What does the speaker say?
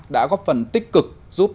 đã góp phần tích cực giúp